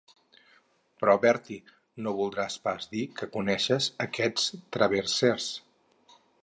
Però, Bertie, no voldràs pas dir que coneixes aquests Traverses?